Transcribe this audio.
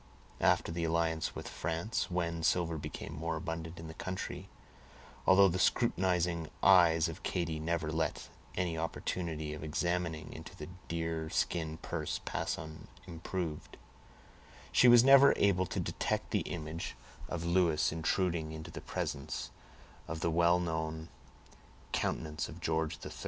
After the alliance with France, when silver became more abundant in the country, although the scrutinizing eyes of Katy never let any opportunity of examining into the deerskin purse pass unimproved, she was never able to detect the image of Louis intruding into the presence of the well known countenance of George III.